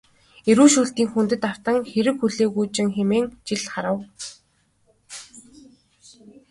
Эрүү шүүлтийн хүндэд автан хэрэг хүлээгүүжин хэмээн жил харав.